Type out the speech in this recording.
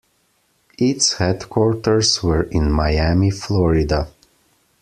Its headquarters were in Miami, Florida.